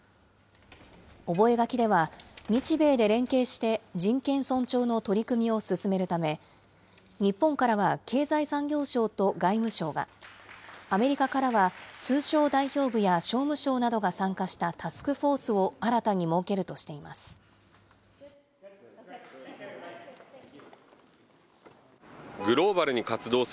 覚書では、日米で連携して人権尊重の取り組みを進めるため、日本からは経済産業省と外務省が、アメリカからは通商代表部や商務省などが参加したタスクフォースを新たに設けるとしています。